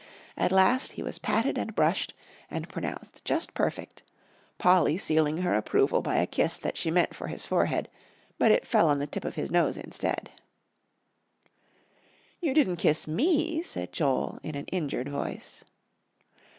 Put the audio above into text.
At last he was patted and brushed, and pronounced "just perfect," Polly sealing her approval by a kiss that she meant for his forehead, but it fell on the tip of his nose instead. "You didn't kiss me," said Joel, in an injured voice.